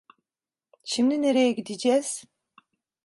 Şimdi nereye gideceğiz?